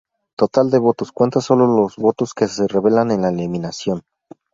Total de votos cuenta sólo los votos que se revelan en la eliminación.